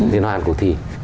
liên hoan cuộc thi